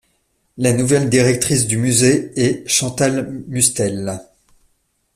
La nouvelle directrice du musée est Chantal Mustel.